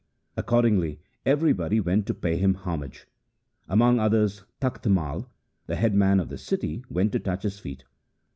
Accordingly, everybody went to pay him homage. Among others Takht Mai, the head man of the city, went to touch his feet.